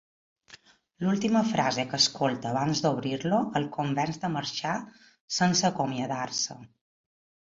L'última frase que escolta abans d'obrir-lo el convenç de marxar sense acomiadar-se.